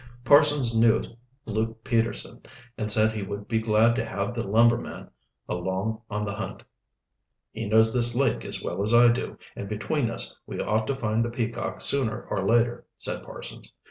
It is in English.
Parsons knew Luke Peterson, and said he would be glad to have the lumberman along on the hunt. "He knows this lake as well as I do, and between us we ought to find the Peacock, sooner or later," said Parsons.